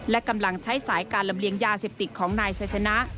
และกำลังใช้สายการลำเลียงยาเสพติดของนายไซสนะ